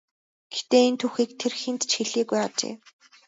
Гэхдээ энэ түүхийг тэр хэнд ч хэлээгүй ажээ.